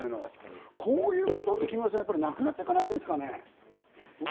こういうことって木村さん、なくなっていかないですかね？